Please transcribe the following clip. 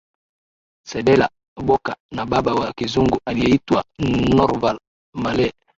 Cedella Booker na baba wa Kizungu aliyeitwa Norvall Marley